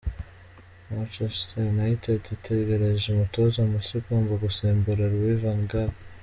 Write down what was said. Manchetser United itegereje umutoza mushya ugomba gusimbura Louis Van Gaal.